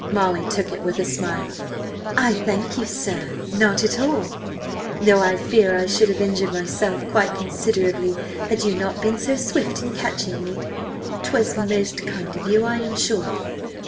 Molly took it with a smile. "I thank you sir, not at all; though I fear I should have injured myself quite considerably had you not been so swift in catching me. 'Twas most kind of you, I am sure!"